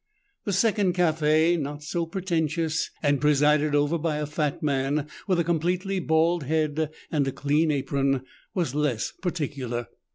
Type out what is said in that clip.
The second café, not so pretentious and presided over by a fat man with a completely bald head and a clean apron, was less particular.